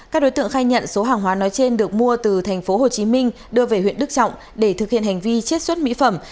các đối tượng khai nhận số hàng hóa nói trên được mua từ thành phố hồ chí minh đưa về huyện đức trọng để thực hiện hành vi chiết xuất mỹ phẩm